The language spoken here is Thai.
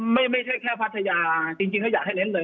ไม่ใช่แค่ภไทยาจริงก็อยากเละเลย